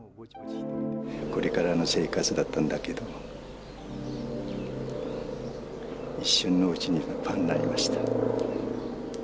これからの生活だったんだけど、一瞬のうちにパーになりました。